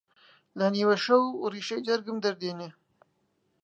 لە نیوە شەو ڕیشەی جەرگم دەردێنێ